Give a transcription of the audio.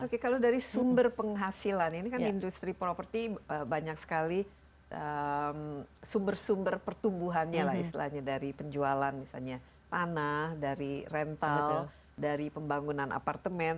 oke kalau dari sumber penghasilan ini kan industri properti banyak sekali sumber sumber pertumbuhannya lah istilahnya dari penjualan misalnya tanah dari rental dari pembangunan apartemen